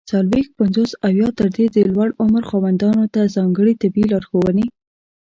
څلوېښت، پنځوس او یا تر دې د لوړ عمر خاوندانو ته ځانګړي طبي لارښووني!